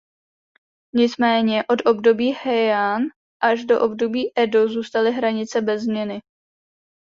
Nicméně od období Heian až do období Edo zůstaly hranice bez změny.